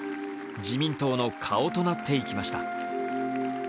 自民党の顔となっていきました。